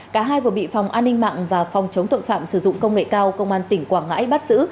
cả hai vừa bị phòng an ninh mạng và phòng chống tội phạm sử dụng công nghệ cao công an tỉnh quảng ngãi bắt giữ